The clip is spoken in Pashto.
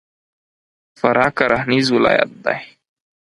فراه کرهنیز ولایت دی.